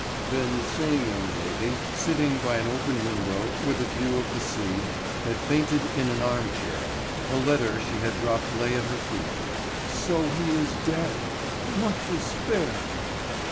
Then the same young lady sitting by an open widow with a view of the sea, had fainted in an arm chair; a letter she had dropped lay at her feet. So he is dead! What despair!